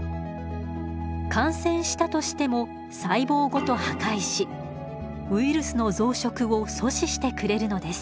感染したとしても細胞ごと破壊しウイルスの増殖を阻止してくれるのです。